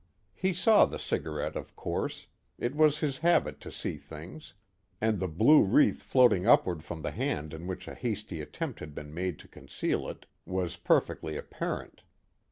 He saw the cigarette, of course, it was his habit to see things, and the blue wreath floating upward from the hand in which a hasty attempt had been made to conceal it, was perfectly apparent.